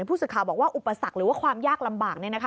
ผู้สื่อข่าวบอกว่าอุปสรรคหรือว่าความยากลำบาก